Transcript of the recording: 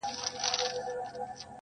• خداى دي كړي خير گراني څه سوي نه وي.